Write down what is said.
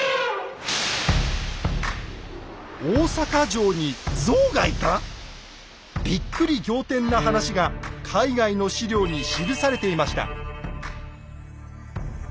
大坂城にゾウがいた⁉びっくり仰天な話が海外の史料に記されていました。